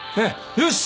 よし。